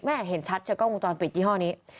เห็นชัดจากกล้องวงจรปิดยี่ห้อนี้